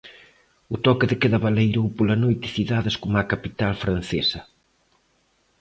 O toque de queda baleirou pola noite cidades coma a capital francesa.